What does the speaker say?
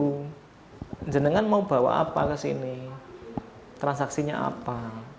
jangan jangan mau bawa apa ke sini transaksinya apa